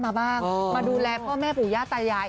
และทุกคนที่พิสินบ้านให้กลับไปที่บ้าน